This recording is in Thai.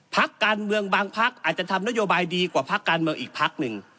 พักการเมืองบางพักอาจจะทำนโยบายดีกว่าพักการเมืองอีกพักหนึ่ง